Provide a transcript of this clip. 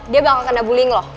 dia bakal kena bullying loh